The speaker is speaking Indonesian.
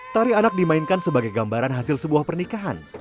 tari anak dimainkan sebagai gambaran hasil sebuah pernikahan